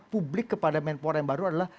publik kepada menpora yang baru adalah